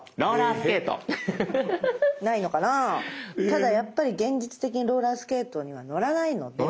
ただやっぱり現実的にローラースケートには乗らないので。